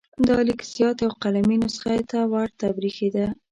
دا لیک زیات یوه قلمي نسخه ته ورته بریښېده.